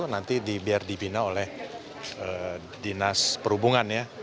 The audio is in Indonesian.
nanti biar dibina oleh dinas perhubungan ya